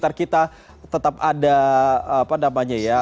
agar kita tetap ada apa namanya ya